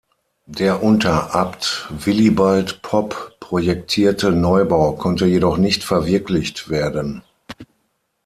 Der unter Abt Willibald Popp projektierte Neubau konnte jedoch nicht verwirklicht werden.